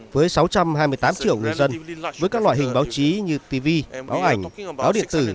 với sáu trăm hai mươi tám triệu người dân với các loại hình báo chí như tv báo ảnh báo điện tử